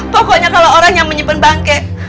pokoknya kalo orang yang menyimpen bangke